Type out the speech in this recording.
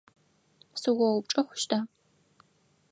Сыоупчӏы хъущта?